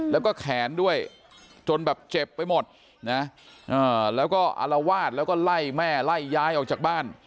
แล้วก็แขนด้วยจนแบบเจ็บไปหมดนะแล้วก็อารวาสแล้วก็ไล่แม่ไล่ย้ายออกจากบ้าน